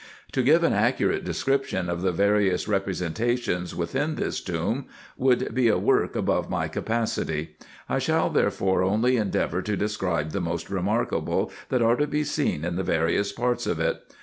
To give an accurate description of the various representations within this tomb, would be a work above my capacity. I shall therefore only endeavour to describe the most remarkable that are to be seen in the various parts of it.